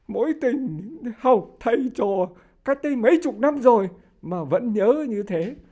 mỗi tình học thầy trò các tình mấy chục năm rồi mà vẫn nhớ như thế